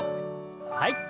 はい。